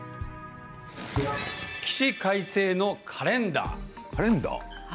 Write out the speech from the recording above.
起死回生のカレンダー。